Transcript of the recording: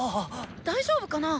大丈夫かなぁ？